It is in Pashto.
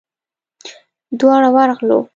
دواړه ورغلو.